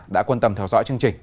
đã quan tâm theo dõi chương trình